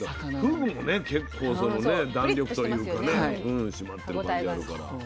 ふぐもね結構弾力というかね締まってる感じがあるから。